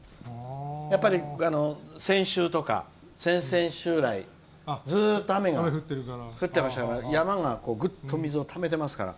やっぱり先週とか先々週来ずっと雨が降ってましたから山が、ぐっと水をためてますから。